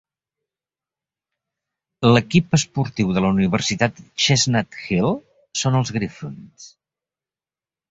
L'equip esportiu de la Universitat Chestnut Hill són els Griffins.